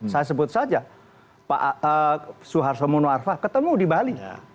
saya sebut saja pak soeharto munawarfa ketemu di bali